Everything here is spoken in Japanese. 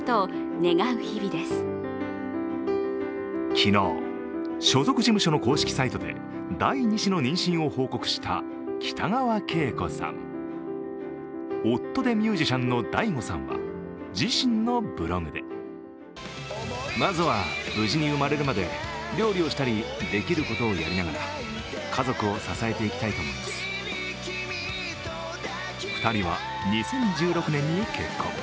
昨日、所属事務所の公式サイトで第２子の妊娠を発表した北川景子さん夫で、ミュージシャンのＤＡＩＧＯさんは自身のブログで２人は２０１６年に結婚。